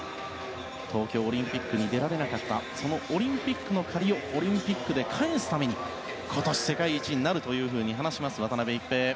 東京オリンピックに出られなかったそのオリンピックの借りをオリンピックで返すために今年、世界一になると話します渡辺一平。